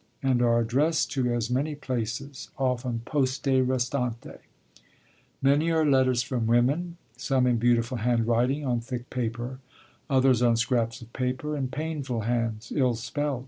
and are addressed to as many places, often poste restante. Many are letters from women, some in beautiful handwriting, on thick paper; others on scraps of paper, in painful hands, ill spelt.